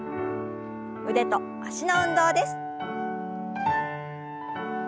腕と脚の運動です。